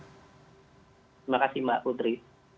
terima kasih mbak putri